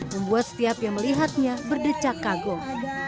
membuat setiap yang melihatnya berdecak kagum